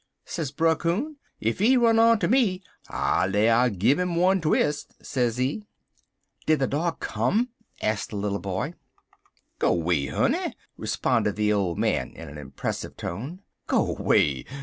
sez Brer Coon. 'Ef he run up onter me, I lay I give 'im one twis',' sezee." "Did the dog come?" asked the little boy. "Go 'way, honey!" responded the old man, in an impressive tone. "Go way!